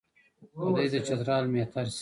که دی د چترال مهتر شي.